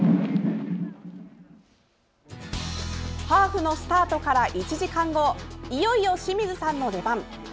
ハーフのスタートから１時間後いよいよ清水さんの出番。